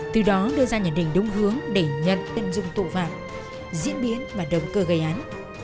từ đó đưa ra nhận định đúng hướng để nhận tân dung tội phạm diễn biến mà động cơ gây án